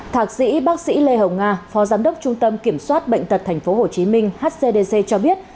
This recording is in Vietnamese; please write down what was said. thạc sĩ bác sĩ lê hồng nga phó giám đốc trung tâm kiểm soát bệnh tật tp hcm hcdc cho biết